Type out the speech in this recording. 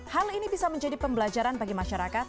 hal ini bisa menjadi pembelajaran bagi masyarakat